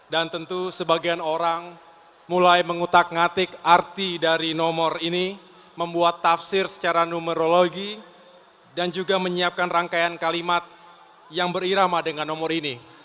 dan tentu sebagian orang mulai mengutak ngatik arti dari nomor ini membuat tafsir secara numerologi dan juga menyiapkan rangkaian kalimat yang berirama dengan nomor ini